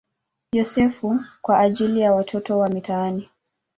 Yosefu" kwa ajili ya watoto wa mitaani.